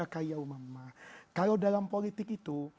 kalau dalam politik itu